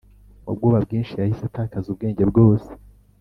mubwoba bwinshi yahise atakaza ubwenge bwose